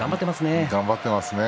頑張っていますね。